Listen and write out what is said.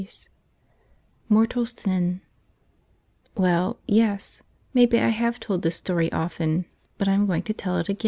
130 portal Stn T^jJTW ELL, yes ;— maybe I have told this story MM B often; but I'm going to tell it again.